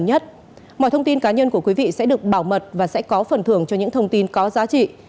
mọi thông tin cá nhân của quý vị sẽ được bảo mật và sẽ có phần thưởng cho những thông tin có giá trị